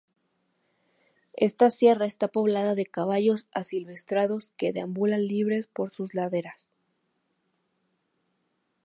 Esta sierra está poblada de caballos asilvestrados que deambulan libres por sus laderas.